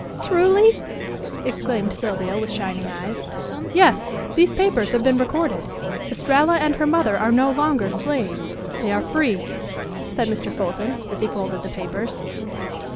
Truly?" exclaimed Sylvia with shining eyes. "Yes. These papers have been recorded. Estralla and her mother are no longer slaves. They are free," said Mr. Fulton, as he folded the papers.